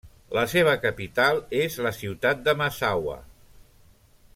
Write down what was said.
La seva capital és la ciutat de Massawa.